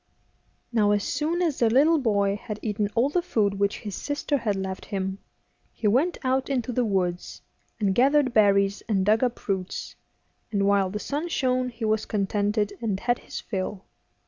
Now as soon as the little boy had eaten all the food which his sister had left him, he went out into the woods, and gathered berries and dug up roots, and while the sun shone he was contented and had his fill.